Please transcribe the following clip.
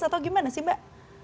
atau gimana sih mbak